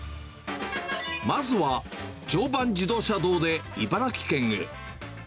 まずは、常磐自動車道で茨城県へ。